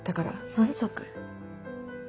満足？